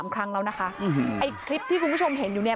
ครั้งแล้วนะคะไอ้คลิปที่คุณผู้ชมเห็นอยู่เนี่ย